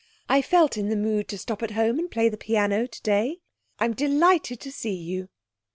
'I felt in the mood to stop at home and play the piano today. I'm delighted to see you.'